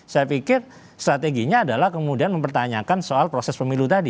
saya pikir strateginya adalah kemudian mempertanyakan soal proses pemilu tadi